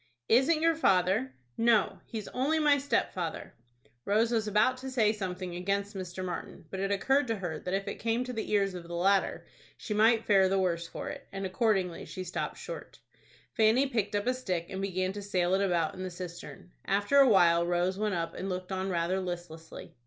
"Isn't your father?" "No, he's only my stepfather." Rose was about to say something against Mr. Martin; but it occurred to her that if it came to the ears of the latter, she might fare the worse for it, and accordingly she stopped short. Fanny picked up a stick, and began to sail it about in the cistern. After a while Rose went up, and looked on rather listlessly.